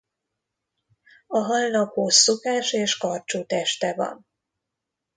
A halnak hosszúkás és karcsú teste van.